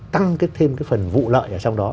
tăng thêm cái phần vụ lợi ở trong đó